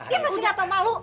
dia pasti gak tahu malu